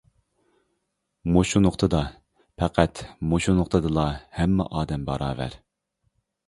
مۇشۇ نۇقتىدا، پەقەت مۇشۇ نۇقتىدىلا ھەممە ئادەم باراۋەر.